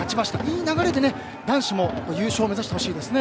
いい流れで男子も優勝を目指してほしいですね。